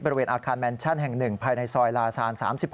บริเวณอาคารแมนชั่นแห่ง๑ภายในซอยลาซาน๓๖